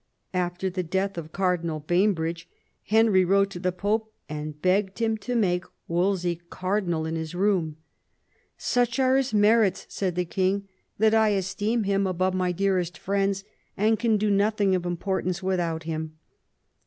After the death of Car dinal Bainbridge Henry wrote to the Pope and begged him to make Wolsey cardinal in his room. " Such are his merits," said the king, " that I esteem him above D 34 THOMAS WOLSEY chap, n my dearest friends, and can do nothing of importance without him."